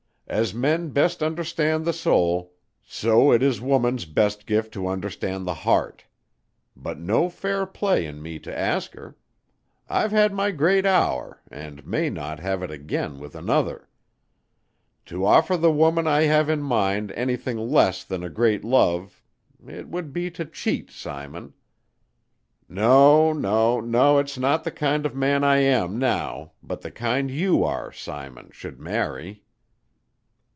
As men best understand the soul, so it is woman's best gift to understand the heart. But no fair play in me to ask her. I've had my great hour, and may not have it again with another. To offer the woman I have in mind anything less than a great love it would be to cheat, Simon. No, no, no it's not the kind of a man I am now, but the kind you are, Simon, should marry."